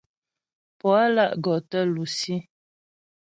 Pǒ á lá' gɔ tə lusí.